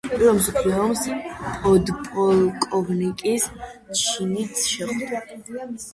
პირველ მსოფლიო ომს პოდპოლკოვნიკის ჩინით შეხვდა.